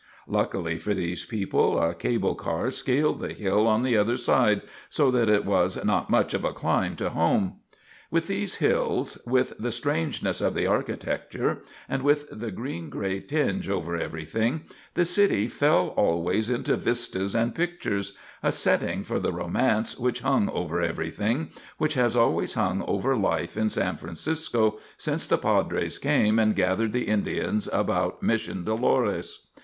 Luckily for these people, a cable car scaled the hill on the other side, so that it was not much of a climb to home. With these hills, with the strangeness of the architecture and with the green gray tinge over everything, the city fell always into vistas and pictures, a setting for the romance which hung over everything, which has always hung over life in San Francisco since the padres came and gathered the Indians about Mission Dolores.